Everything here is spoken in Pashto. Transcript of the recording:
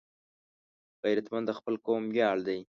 غیرتمند د خپل قوم ویاړ دی